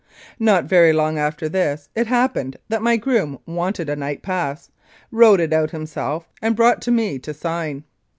Not very long after this it happened that my groom wanted a night pass, wrote it out himself, and brought to me to sign.